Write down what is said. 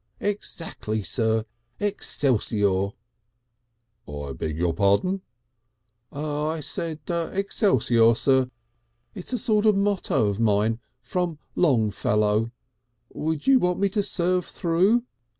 "Exactly, sir. Excelsior." "I beg your pardon?" "I said excelsior, sir. It's a sort of motto of mine. From Longfellow. Would you want me to serve through?"